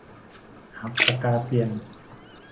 หักปากกาเซียน